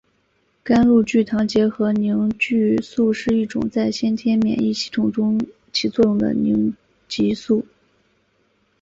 甘露聚糖结合凝集素是一种在先天免疫系统中起作用的凝集素。